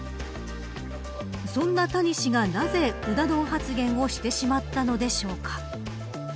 そんな谷氏が、なぜうな丼発言をしてしまったのでしょうか。